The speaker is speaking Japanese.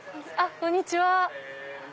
こんにちは。